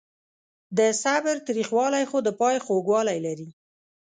د صبر تریخوالی خو د پای خوږوالی لري.